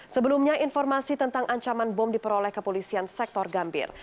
sebelumnya informasi tentang ancaman bom diperoleh kepolisian sektor gambir